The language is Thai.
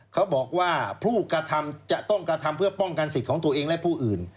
เขาบอกว่าผู้กระทำจะต้องกระทำเพื่อป้องกันสิทธิ์ของตัวเองและผู้อื่น